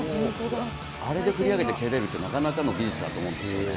あれで振り上げて蹴れるってなかなかの技術ですよね。